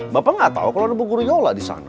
bapak nggak tahu kalau ada bu guryola di sana